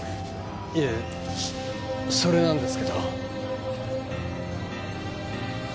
いえそれなんですけど。